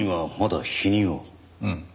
うん。